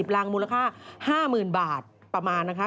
รังมูลค่า๕๐๐๐บาทประมาณนะคะ